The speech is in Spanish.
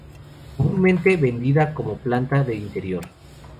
Comúnmente vendida como planta de interior.